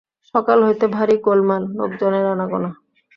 সকাল হইতে ভারি গোলমাল, লোকজনের আনাগোনা।